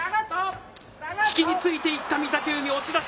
引きについていった御嶽海、押し出し。